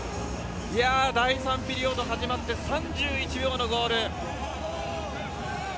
第３ピリオド始まって３１秒のゴール！